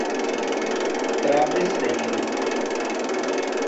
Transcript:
Travesseiro